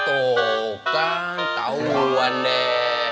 oh kan tau duluan deh